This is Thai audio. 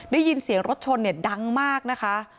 ได้ยินเสียงรถชนเนี่ยดังมากนะคะ